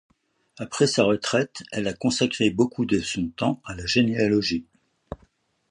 Après sa retraite, elle a consacré beaucoup de son temps à la généalogie.